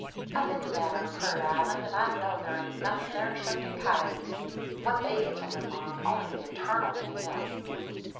I've been to thet ere purayra island; an I know there ain't nothin' thur 'ceptin' coyoats. What they get to live on, only the Eturnal kin tell!"